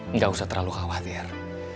enggak usah terlalu khawatir